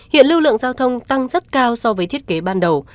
hiện lưu lượng giao thông tăng rất cao so với thiết kế ban đầu